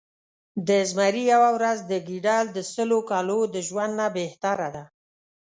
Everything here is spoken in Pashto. د زمري يؤه ورځ د ګیدړ د سلو کالو د ژؤند نه بهتره ده